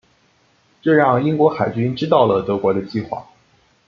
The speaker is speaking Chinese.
这让英国海军知道了德国的计划。